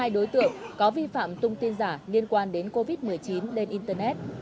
hai đối tượng có vi phạm tung tin giả liên quan đến covid một mươi chín lên internet